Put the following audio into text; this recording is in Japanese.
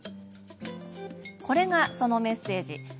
これが、そのメッセージ。